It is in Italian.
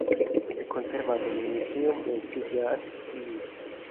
È conservato nel Museum and City Art di Leeds.